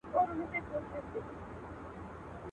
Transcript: هغه سندري د باروتو او لمبو ويلې.